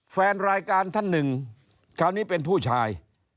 แฟนรายการท่านหนึ่งคราวนี้เป็นผู้ชาย